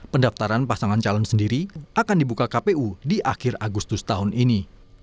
pendaftaran pasangan calon sendiri akan dibuka kpu di akhir agustus tahun ini